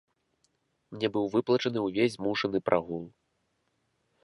Мне быў выплачаны увесь змушаны прагул.